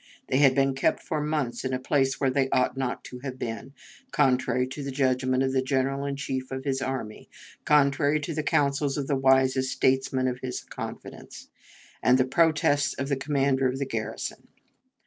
They had been kept for months in a place where they ought not to have been, contrary to the judgment of the General in Chief of his army, contrary to the counsels of the wisest statesmen in his confidence, and the protests of the commander of the garrison.